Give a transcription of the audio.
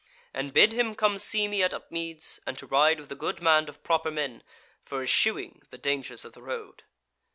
And bid him come see me at Upmeads, and to ride with a good band of proper men, for eschewing the dangers of the road."